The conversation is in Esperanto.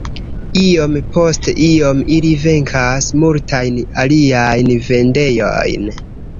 Iom post iom ili venkas multajn aliajn vendejojn.